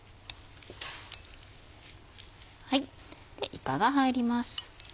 いかが入ります。